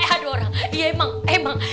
ada orang iya emang